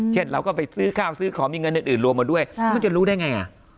เราก็ไปซื้อข้าวซื้อของมีเงินอื่นรวมมาด้วยมันจะรู้ได้ไง